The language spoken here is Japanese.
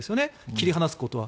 切り離すことは。